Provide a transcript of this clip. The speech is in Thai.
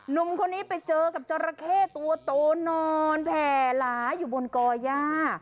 หนุ่มคนนี้ไปเจอกับจราเข้ตัวโตนอนแผ่หลาอยู่บนก่อย่า